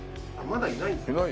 まだいないんですね。